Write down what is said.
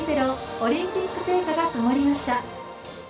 オリンピック聖火がともりました。